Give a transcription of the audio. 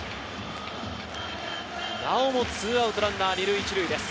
なおも２アウトランナー２塁１塁です。